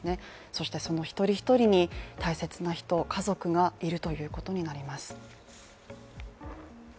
そしてその一人一人に大切な人、家族がいるということになります。